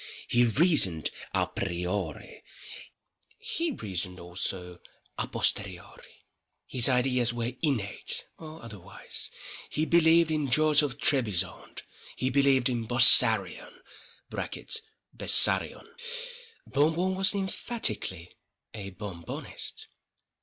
He reasoned à priori—He reasoned also à posteriori. His ideas were innate—or otherwise. He believed in George of Trebizonde—He believed in Bossarion [Bessarion]. Bon Bon was emphatically a—Bon Bonist.